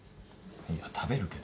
いや食べるけど。